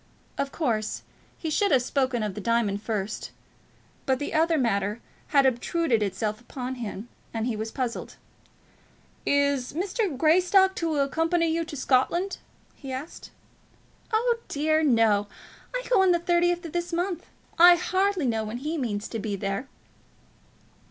Of course, he should have spoken of the diamonds first; but the other matter had obtruded itself upon him, and he was puzzled. "Is Mr. Greystock to accompany you into Scotland?" he asked. "Oh dear no. I go on the thirtieth of this month. I hardly know when he means to be there."